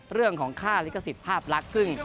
เรื่องของค่าลิขสิทธิภาพลักษณ์